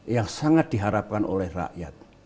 yang sangat diharapkan oleh rakyat